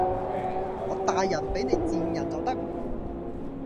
我大人睥你賤人就得